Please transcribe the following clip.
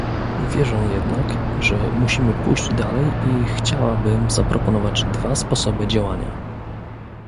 Wierzę jednak, że musimy pójść dalej i chciałabym zaproponować dwa sposoby działania